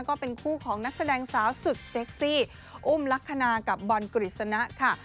ก็เป็นคู่ของนักแสดงสาวสุดเซ็กซี่อุ้มลักษณะกับบอลกฤษณะค่ะ